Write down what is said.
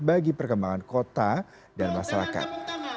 bagi perkembangan kota dan masyarakat